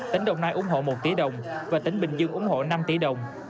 tỉnh đồng nai ủng hộ một tỷ đồng và tỉnh bình dương ủng hộ năm tỷ đồng